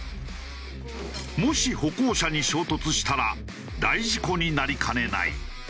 もし歩行者に衝突したら大事故になりかねない。